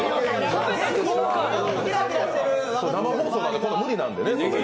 生放送なんで無理なんでね。